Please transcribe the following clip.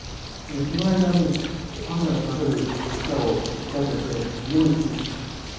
その間に、パンダが食べる餌を調べて用意する。